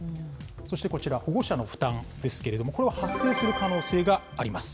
そしてこちら、保護者の負担ですけれども、これは発生する可能性があります。